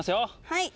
はい。